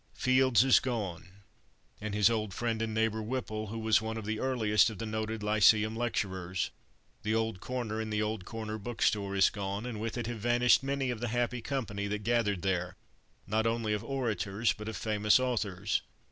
Fields is gone, and his old friend and neighbor Whipple, who was one of the earliest of the noted lyceum lecturers. The old corner in the old corner book store is gone, and with it have vanished many of the happy company that gathered there, not only of orators, but of famous authors.